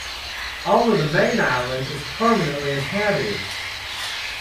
Only the main island is permanently inhabited.